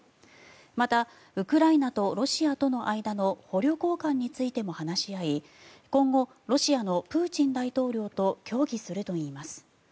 またウクライナとロシアとの間の捕虜交換についても話し合い今後、ロシアのプーチン大統領と協議するといいます。